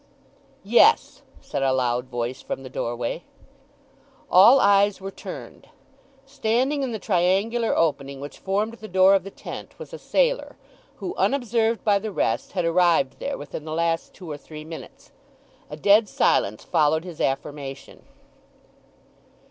"Yes," said a loud voice from the doorway. All eyes were turned. Standing in the triangular opening which formed the door of the tent was a sailor, who, unobserved by the rest, had arrived there within the last two or three minutes. A dead silence followed his affirmation.